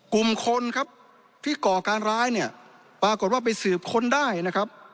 กลุ่มคนครับที่ก่อการร้ายเนี่ยปรากฏว่าไปสืบค้นได้นะครับ